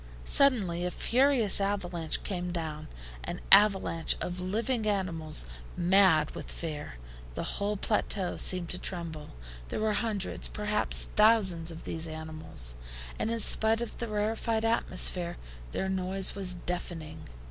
Suddenly a furious avalanche came down, an avalanche of living animals mad with fear. The whole plateau seemed to tremble. There were hundreds, perhaps thousands, of these animals, and in spite of the rarefied atmosphere, their noise was deafening.